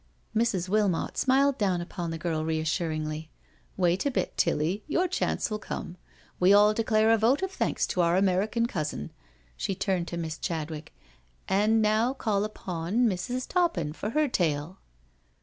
Mrs. Wilmot smiled down upon the girl reassuringly. " Wait a bit, Tilly— your chance will come. We all declare a vote of thaiiks to our American cousin "— she turned to Miss Chadwick —" and now call upon Mrs. Toppin for her tale."